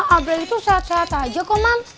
perasaan abel itu sehat sehat aja kok mas